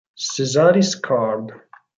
Caesaris Card.